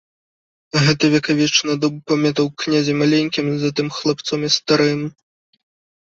Гэты векавечны дуб памятаў князя маленькім, затым хлапцом і старым.